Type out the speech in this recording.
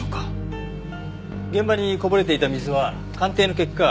現場にこぼれていた水は鑑定の結果